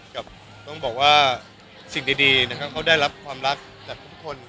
ต้องบอกว่าสิ่งดีนะครับเขาได้รับความรักจากทุกคน